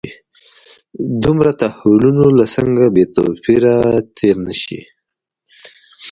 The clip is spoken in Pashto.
دومره تحولونو له څنګه بې توپیره تېر نه شي.